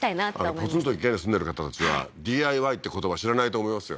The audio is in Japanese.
ポツンと一軒家に住んでる方たちはＤＩＹって言葉知らないと思いますよ